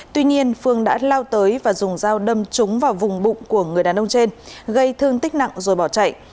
tuy nhiên phương đã lao tới và dùng dao đâm trúng vào vùng bụng của người đàn ông trên gây thương tích nặng rồi bỏ chạy